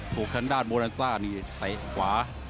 พวกทางด้านบลอลนัลซ่านี่เตะขวา